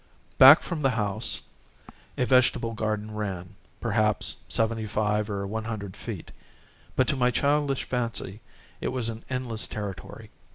Back from the house a vegetable garden ran, perhaps seventy five or one hundred feet; but to my childish fancy it was an endless territory.